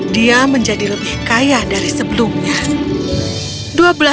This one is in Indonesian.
dia menjadi lebih kaya dari sebelumnya